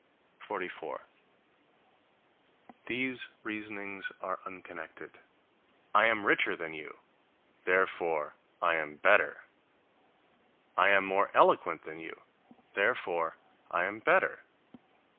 44. These reasonings are unconnected: "I am richer than you, therefore I am better"; "I am more eloquent than you, therefore I am better."